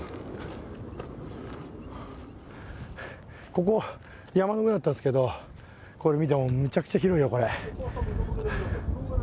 ここ、山の上だったんですけど見てもめちゃくちゃ広いよ。